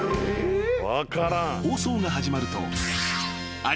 ［放送が始まると］